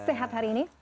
sehat hari ini